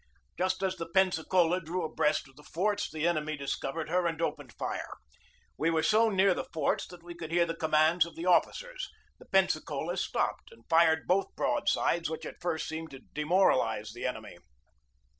Just as the Pensacola drew abreast of the forts the enemy discovered her and opened fire. We were so near the forts that we could hear the commands of the officers. The Pensacola stopped and fired both broadsides which at first seemed to demoralize the enemy.